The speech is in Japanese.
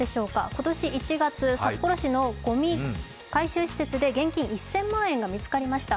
今年１月、札幌市のごみ回収施設で現金１０００万円が見つかりました。